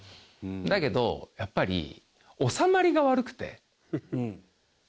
だけどやっぱり収まりが悪くて。